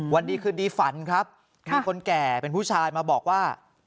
วันดีคืนดีฝันครับมีคนแก่เป็นผู้ชายมาบอกว่า